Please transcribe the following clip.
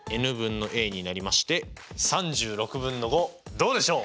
どうでしょう？